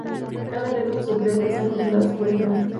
Cada red o subred eran controladas por este "host".